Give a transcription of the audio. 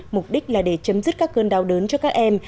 mục đích là để chấm dứt các cơn đau đớn cho các em